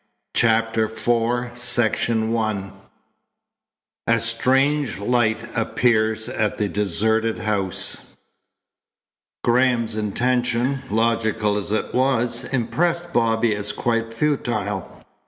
CHAPTER IV A STRANGE LIGHT APPEARS AT THE DESERTED HOUSE Graham's intention, logical as it was, impressed Bobby as quite futile.